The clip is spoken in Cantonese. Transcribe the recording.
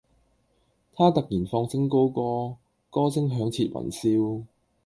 他突然放聲高歌，歌聲響徹雲霄